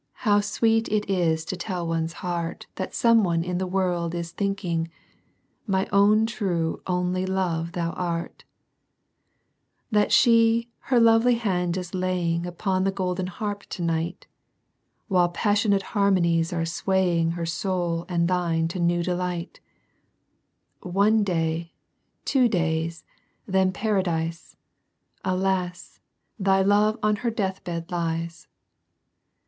How sweet it is to tell one's heart 'Huxt same one in the world is thinking, • My own true only love thou art I ' ITuU she, her lavely hand is laving Upon the golden harp to nignt, WhUe passionate harmonies are swaying Her soul and thine to new delight ; One day, two days, then Paradise! — Alas! thy love on her death bed lies!